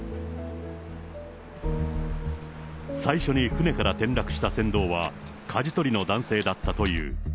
最初に船から転落した船頭は、かじ取りの男性だったという。